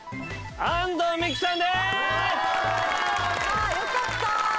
あーよかった。